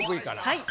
はい。